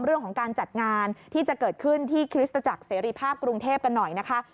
เรื่องของการจัดงานที่จะเกิดขึ้นที่คริสตจักรเสรีภาพกรุงเทพกันหน่อยนะคะ